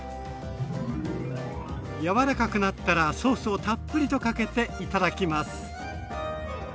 やわらかくなったらソースをたっぷりとかけていただきます。